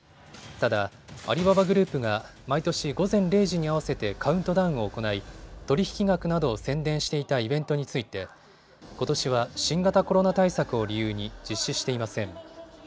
ただ、アリババグループが毎年午前０時に合わせてカウントダウンを行い取引額などを宣伝していたイベントについてことしは新型コロナ対策を理由に実施していません。